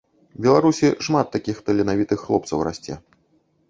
Беларусі шмат такіх таленавітых хлопцаў расце.